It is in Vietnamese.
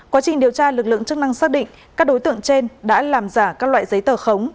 quá trình điều tra lực lượng chức năng xác định các đối tượng trên đã làm giả các loại giấy tờ khống